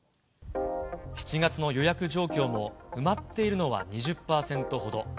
７月の予約状況も埋まっているのは２０％ほど。